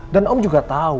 dan om juga tau